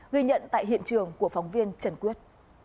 ghi nhận tại hiện trường của phóng viên trần quyết